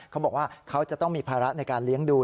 เขาบอกว่าเขาจะต้องมีภาระในการเลี้ยงดู